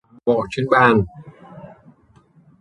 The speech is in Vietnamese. Chìa khóa bỏ trên bàn